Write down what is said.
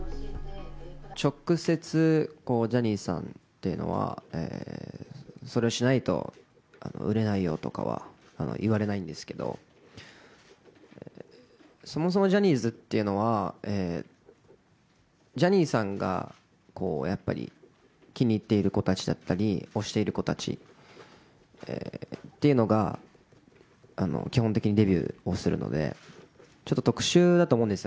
直接こう、ジャニーさんっていうのは、それをしないと売れないよとかは言われないんですけど、そもそもジャニーズっていうのは、ジャニーさんがやっぱり気に入ってる子たちだったり、推している子たちだったりっていうのが基本的にデビューをするので、ちょっと特殊だと思うんですよ。